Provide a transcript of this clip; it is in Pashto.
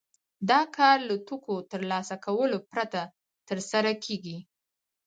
دا کار له توکو ترلاسه کولو پرته ترسره کېږي